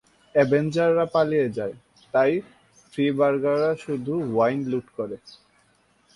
এব্রিঞ্জাররা পালিয়ে যায়, তাই ফ্রিবার্গাররা শুধু ওয়াইন লুট করে।